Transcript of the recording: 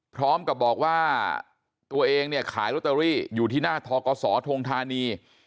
พร้อมกับบอกว่าตัวเองเนี่ยขายลอตเตอรี่อยู่ที่หน้าทกศธงธานี